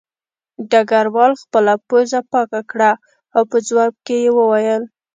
ډګروال خپله پوزه پاکه کړه او په ځواب کې یې وویل